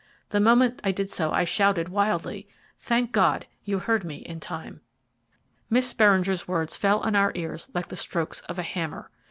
The moment I did so I shouted wildly. Thank God, you heard me in time." Miss Beringer's words fell on our ears like the strokes of a hammer.